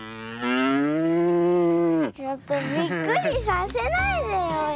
ちょっとびっくりさせないでよやるから。